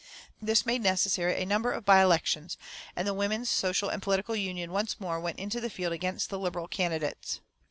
This made necessary a number of by elections, and the Women's Social and Political Union once more went into the field against the Liberal candidates.